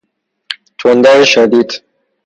تندر شدید